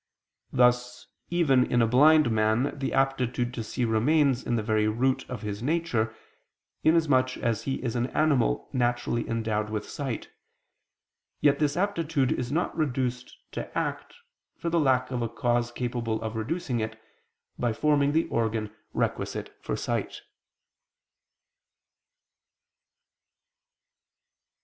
Thus even in a blind man the aptitude to see remains in the very root of his nature, inasmuch as he is an animal naturally endowed with sight: yet this aptitude is not reduced to act, for the lack of a cause capable of reducing it, by forming the organ requisite for sight.